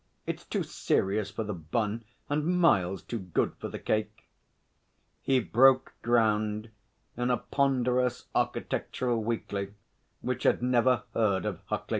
It's too serious for The Bun and miles too good for The Cake.' He broke ground in a ponderous architectural weekly, which had never heard of Huckley.